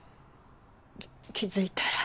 気付いたら。